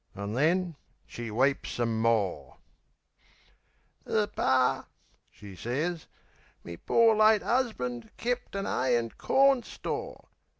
An' then she weeps some more. "'Er Par," she sez, "me poor late 'usband, kept An 'ay an' corn store.